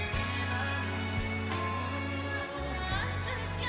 tuhan ku berkata